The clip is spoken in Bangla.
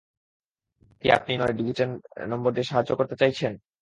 কি, আপনি নয় ডিজিটের নম্বর দিয়ে সাহায্য করতে চাইছেন?